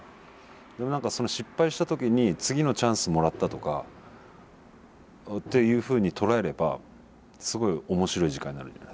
でも何かその失敗した時に次のチャンスもらったとかっていうふうに捉えればすごい面白い時間になるじゃないですか。